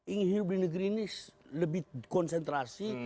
ingin hidup di negeri ini lebih konsentrasi